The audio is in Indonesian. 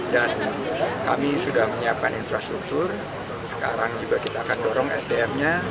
dan kami sudah menyiapkan infrastruktur sekarang juga kita akan dorong sdm nya